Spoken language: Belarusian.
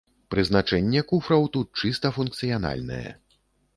Прызначэнне куфраў тут чыста функцыянальнае.